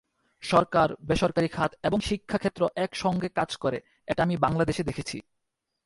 সরকার, বেসরকারি খাত এবং শিক্ষাক্ষেত্র একসঙ্গে কাজ করে, এটা আমি বাংলাদেশে দেখেছি।